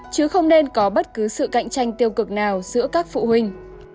chứ không nên có bất cứ sự cạnh tranh tiêu cực nào giữa các phụ huynh